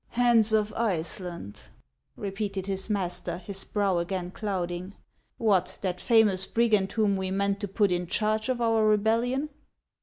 " Hans of Iceland !" repeated his master, his brow again clouding. " What ! that famous brigand whom we meant to put in charge of our rebellion